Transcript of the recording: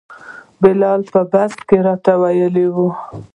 بلال په بس کې راته ویلي وو.